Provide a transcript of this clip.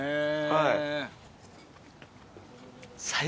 はい。